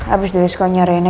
abis dirisikonya rina